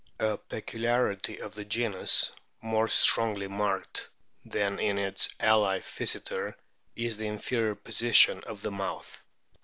A peculiarity of the genus, more strongly marked than in its ally Pkyseter, is the inferior position of the mouth.